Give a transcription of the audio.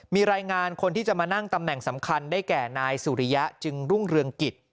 มีรายงานคนที่จะมานั่งตำแหน่งสำคัญได้แก่นายสุริยะจึงรุ่งเรืองกิจ